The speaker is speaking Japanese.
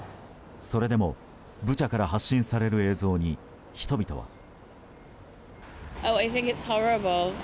それでも、ブチャから発信される映像に人々は。